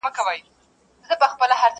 پر مځکه سپي او په هوا کي به کارګان ماړه وه؛